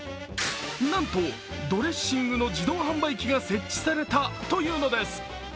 なんと、ドレッシングの自動販売機が設置されたというのです。